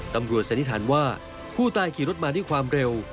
สันนิษฐานว่าผู้ตายขี่รถมาด้วยความเร็ว